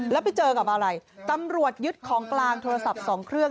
แล้วไปเจอกับอะไรตำรวจยึดของกลางโทรศัพท์๒เครื่อง